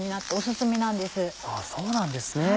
そうなんですね。